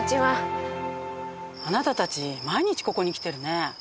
あなたたち毎日ここに来てるね。